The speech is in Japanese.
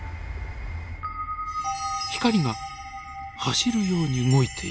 光が走るように動いています。